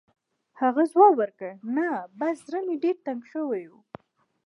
هغه ځواب ورکړ: «نه، بس زړه مې ډېر تنګ شوی و.